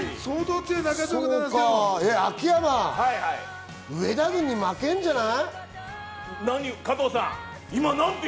秋山、上田軍に負けるんじゃない？